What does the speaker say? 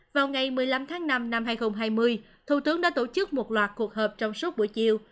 vào ngày một mươi năm tháng năm năm hai nghìn hai mươi thủ tướng đã tổ chức một loạt cuộc họp trong suốt buổi chiều